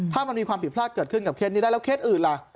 ถ้ามันมีความผิดพลาดเกิดขึ้นกับเคสนี้ได้แล้วเคสอื่นล่ะ